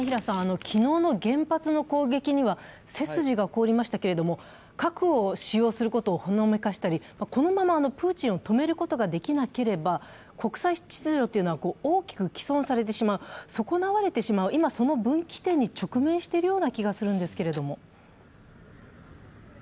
昨日の原発の攻撃には背筋が凍りましたけれども核を使用することをほのめかしたり、このままプーチンを止めることができなければ国際秩序というのは大きく毀損されてしまう、損なわれてしまう、今、その分岐点に直面しているような気がするんですけれども。